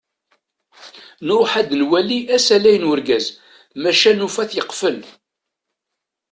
Nruḥ ad nwali asalay n urgaz, maca nufa-t yeqfel.